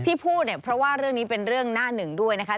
พูดเนี่ยเพราะว่าเรื่องนี้เป็นเรื่องหน้าหนึ่งด้วยนะคะ